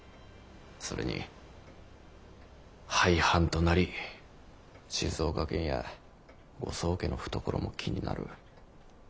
それに廃藩となり静岡県やご宗家の懐も気になる。